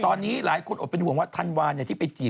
ตอนนี้หลายคนอดเป็นห่วงว่าธันวาลที่ไปจีบ